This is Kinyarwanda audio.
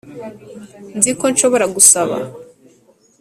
nzi ko nshobora gusaba.